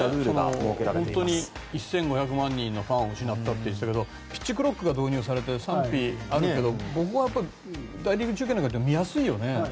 本当に１５００万人のファンを失ったと言っていたけどピッチクロックが導入されて賛否あるけど僕は大リーグ中継なんか見やすいよね。